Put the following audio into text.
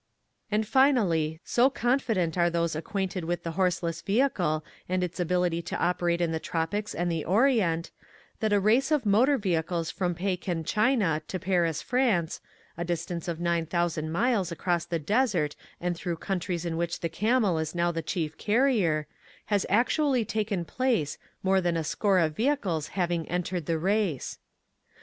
And, finally, so confident are those ac quainted with the horseless vehicle and its ability to operate in the tropics and the orient, that a race of motor vehicles from Pekin, China, to Paris, France, a distance of 9,000 miles across the desert and through countries in which the camel is now the chief carrier, has actuallv taken place, more than a score of vehicles having entered the race.